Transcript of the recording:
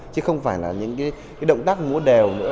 chứ không phải là những cái động tác múa đều nữa